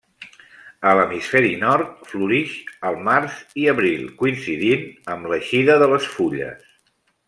A l'hemisferi nord, florix al març i abril coincidint amb l'eixida de les fulles.